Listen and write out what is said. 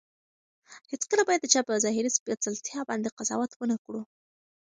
هیڅکله باید د چا په ظاهري سپېڅلتیا باندې قضاوت ونه کړو.